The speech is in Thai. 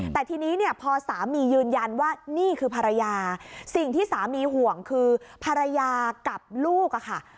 แต่ทีนี้เนี่ยพอสามียืนยันว่านี่คือภรรยาสิ่งที่สามีห่วงคือภรรยากับลูกอะค่ะ